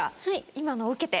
今のを受けて。